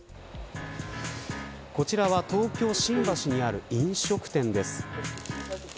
こちらは東京、新橋にある飲食店です。